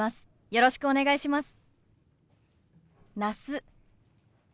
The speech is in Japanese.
よろしくお願いします。